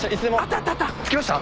着きました？